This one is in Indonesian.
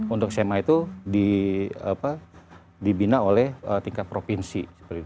untuk sma itu dibina oleh tingkat provinsi